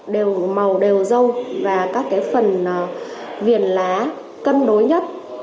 đều màu đều dâu và các phần viền lá cân đối nhất